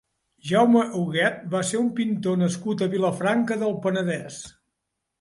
Jaume Huguet va ser un pintor nascut a Vilafranca del Penedès.